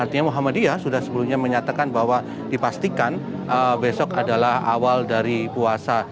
artinya muhammadiyah sudah sebelumnya menyatakan bahwa dipastikan besok adalah awal dari puasa